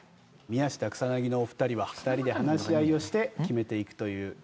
宮下草薙のお二人は二人で話し合いをして決めていくという。